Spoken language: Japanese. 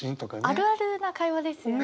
あるあるな会話ですよね。